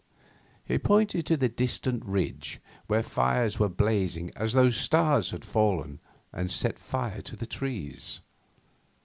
He pointed to the distant ridge, where fires were blazing as though stars had fallen and set fire to the trees.